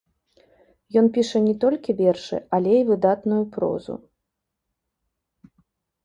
Ён піша не толькі вершы, але і выдатную прозу.